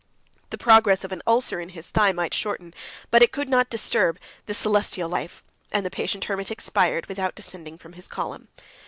The progress of an ulcer in his thigh 72 might shorten, but it could not disturb, this celestial life; and the patient Hermit expired, without descending from his column.